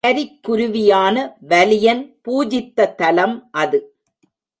கரிக்குருவியான வலியன் பூஜித்த தலம் அது.